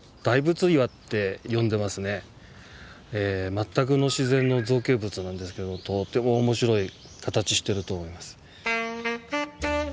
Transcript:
全くの自然の造形物なんですけどとても面白い形してると思います。